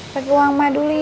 pakai uang ma dulu ya